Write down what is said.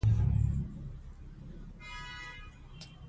که موږ علم ترلاسه نه کړو وروسته پاتې کېږو.